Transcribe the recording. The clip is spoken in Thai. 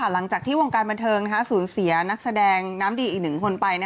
หลังจากที่วงการบันเทิงสูญเสียนักแสดงน้ำดีอีกหนึ่งคนไป